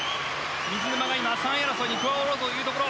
水沼が３位争いに加わろうというところ。